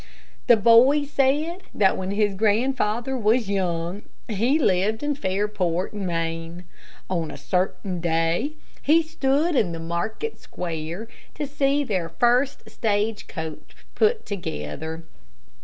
The boy said that when his grandfather was young, he lived in Fairport, Maine. On a certain day he stood in the market square to see their first stage coach put together.